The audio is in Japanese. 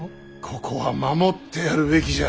ここは守ってやるべきじゃ。